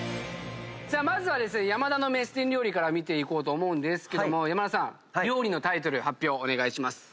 まずは山田のメスティン料理から見ていこうと思うんですけども山田さん料理のタイトル発表お願いします。